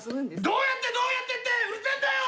どうやってどうやってってうるせえんだよ！